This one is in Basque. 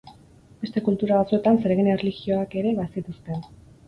Beste kultura batzuetan zeregin erlijioak ere bazituzten.